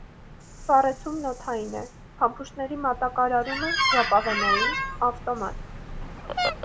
Սառեցումն օդային է, փամփուշտների մատակարարումը՝ ժապավենային, ավտոմատ։